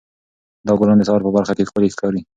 دا ګلان د سهار په پرخه کې ښکلي ښکاري.